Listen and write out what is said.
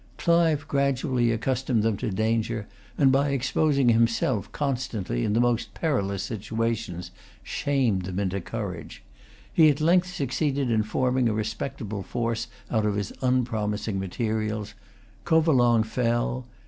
Clive gradually accustomed them to danger, and, by exposing himself constantly in the most perilous situations, shamed them into courage. He at length succeeded in forming a respectable force out of his unpromising materials. Covelong fell.